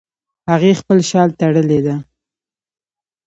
هغې خپل شال تړلی ده